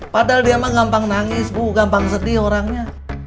padahal dia emang gampang nangis bu gampang sedih orangnya